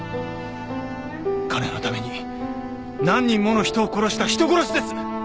金のために何人もの人を殺した人殺しです！